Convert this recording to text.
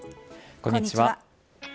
こんにちは。